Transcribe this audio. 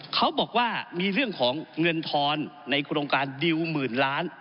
เขาบอกว่ามีเรื่องของเงินทอนในโครงการดิวหมื่นล้าน